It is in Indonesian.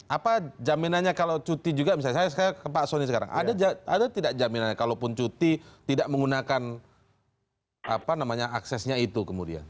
apa jaminannya kalau cuti juga misalnya saya ke pak soni sekarang ada tidak jaminannya kalaupun cuti tidak menggunakan aksesnya itu kemudian